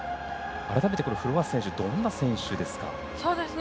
改めて、フロアス選手どんな選手ですか？